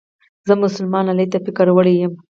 زه مسلمان لالي ته فکر وړې يمه